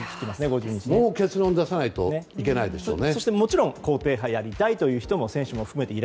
もう結論を出さないといけないでしょうね。